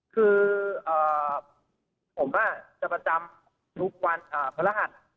คือผมจะประจำทุกวันพระรหัส